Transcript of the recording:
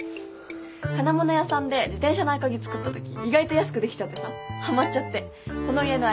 金物屋さんで自転車の合鍵作ったとき意外と安くできちゃってさハマっちゃってこの家の合鍵５本作っちゃった。